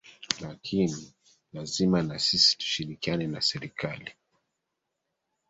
lakini lazima na sisi tushikiriane na serikali